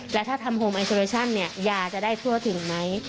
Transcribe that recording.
แล้วถ้าทำโฮมไอซูเรชั่นเนี่ยยาจะได้ทั่วถึงไหม